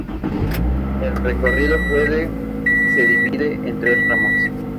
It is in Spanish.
El recorrido puede se divide en tres tramos.